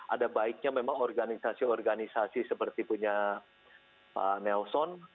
ada baiknya memang organisasi organisasi seperti punya pak nelson